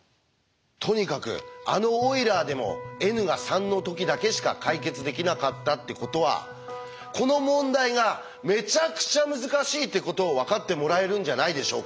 とにかくあのオイラーでもｎが３の時だけしか解決できなかったってことはこの問題がめちゃくちゃ難しいってことを分かってもらえるんじゃないでしょうか。